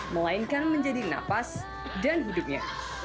melainkan menjadi napas dan hidupnya